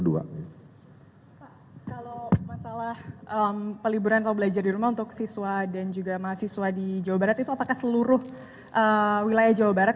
pak kalau masalah peliburan atau belajar di rumah untuk siswa dan juga mahasiswa di jawa barat itu apakah seluruh wilayah jawa barat